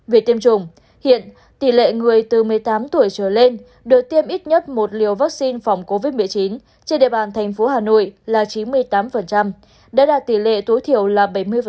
về tiêm chủng hiện tỷ lệ người từ một mươi tám tuổi trở lên được tiêm ít nhất một liều vaccine phòng covid một mươi chín trên địa bàn thành phố hà nội là chín mươi tám đã đạt tỷ lệ tối thiểu là bảy mươi